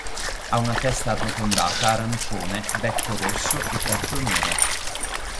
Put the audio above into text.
Ha una testa arrotondata arancione, becco rosso e petto nero.